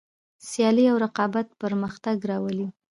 سیالي او رقابت پرمختګ راولي.